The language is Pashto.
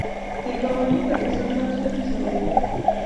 د ګاونډي دروازه باید ونه ځوروو